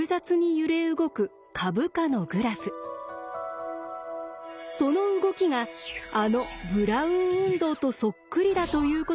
その動きがあのブラウン運動とそっくりだということに気付いたのです。